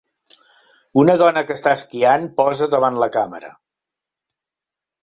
Una dona que està esquiant posa davant la càmera.